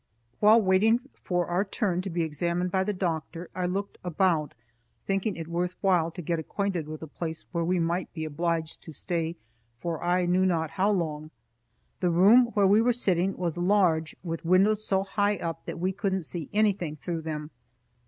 While waiting for our turn to be examined by the doctor I looked about, thinking it worth while to get acquainted with a place where we might be obliged to stay for I knew not how long. The room where we were sitting was large, with windows so high up that we couldn't see anything through them.